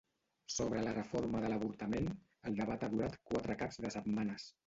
Sobre la reforma de l’avortament, el debat ha durat quatre caps de setmanes.